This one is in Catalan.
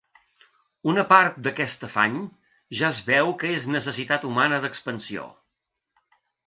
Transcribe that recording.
Una part d'aquest afany, ja es veu que és necessitat humana d'expansió;